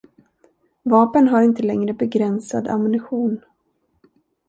Vapen har inte längre begränsad ammunition.